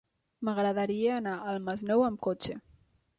M'agradaria anar al Masnou amb cotxe.